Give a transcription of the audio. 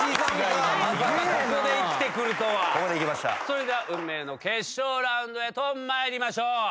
それでは運命の決勝ラウンドへと参りましょう。